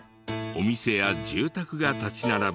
お店や住宅が立ち並ぶ